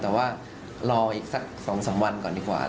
แต่ว่ารออีกสัก๒๓วันก่อนดีกว่า